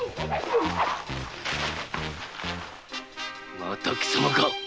また貴様か？